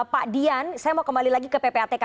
pak dian saya mau kembali lagi ke ppatk